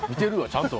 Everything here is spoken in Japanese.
ちゃんと。